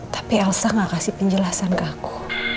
tapi elsa gak kasih penjelasan ke aku